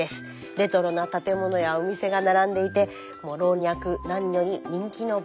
レトロな建物やお店が並んでいてもう老若男女に人気の場所です。